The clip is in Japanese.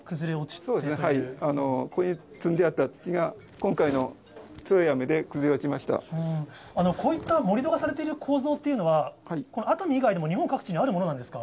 そうですね、こういう、ここに積んであった土が今回の強こういった盛り土がされている構造というのは、熱海以外にも日本各地にあるものなんですか？